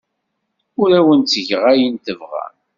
Ur awen-ttgen ayen tebɣam.